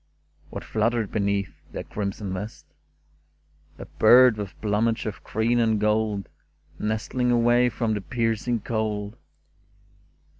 What fluttered beneath the crimson vest ? A bird with plumage of green and gold, Nestling away from the piercing cold.